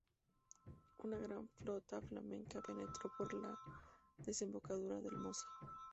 Una gran flota flamenca penetró por la desembocadura del Mosa.